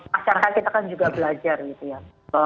masyarakat kita kan juga belajar gitu ya